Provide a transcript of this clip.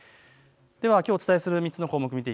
きょうお伝えする３つの項目です。